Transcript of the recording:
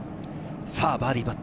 さぁバーディーパット。